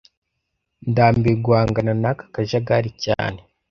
Ndambiwe guhangana n'aka kajagari cyane